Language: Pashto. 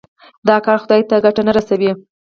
دا کار خدای ته ګټه نه رسوي.